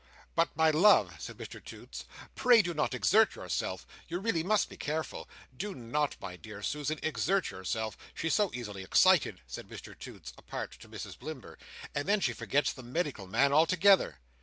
"But, my love," said Mr Toots, "pray do not exert yourself. You really must be careful. Do not, my dear Susan, exert yourself. She's so easily excited," said Mr Toots, apart to Mrs Blimber, "and then she forgets the medical man altogether."